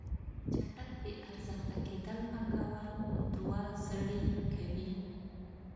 چټک بې ارزښته کیدل پانګوال دوه زړې کوي.